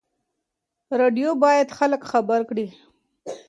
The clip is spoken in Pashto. راډیو باید خلک خبر کړي.